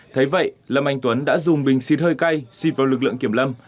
thấy vậy lâm anh tuấn đã dùng bình xí thơi cay xịt vào lực lượng kiểm lâm